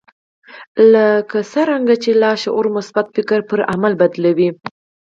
لکه څرنګه چې لاشعور مثبت فکر پر عمل بدلوي.